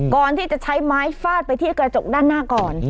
ก่อนที่จะใช้ไม้ฟาดไปที่กระจกด้านหน้าก่อน